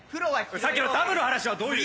さっきのダムの話はどういう？